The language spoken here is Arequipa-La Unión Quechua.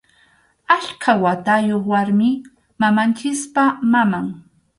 Achka watayuq warmi, mamanchikpa maman.